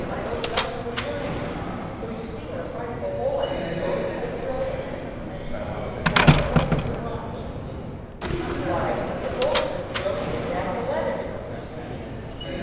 My old gov'nor would murder me! So you see what a frightful hole I'm in, don't you, Dickie, old man?" "And what do you want me to do?" "Why, to get hold of this girl and get back the letters don't you see?